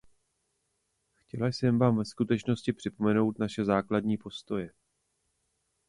Chtěla jsem vám ve skutečnosti připomenout naše základní postoje.